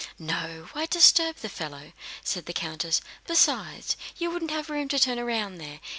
"No, why disturb the old fellow?" said the countess. "Besides, you wouldn't have room to turn round there.